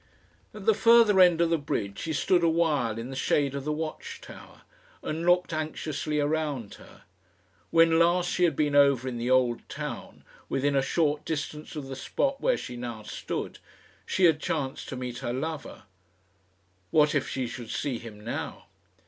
At the further end of the bridge she stood a while in the shade of the watch tower, and looked anxiously around her. When last she had been over in the Old Town, within a short distance of the spot where she now stood, she had chanced to meet her lover. What if she should see him now?